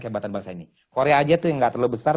jabatan bangsa ini korea aja tuh yang nggak terlalu besar